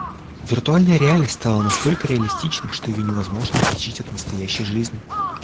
Виртуальная реальность стала настолько реалистичной, что ее невозможно отличить от настоящей жизни.